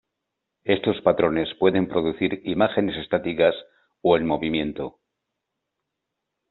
Estos patrones pueden producir imágenes estáticas o en movimiento.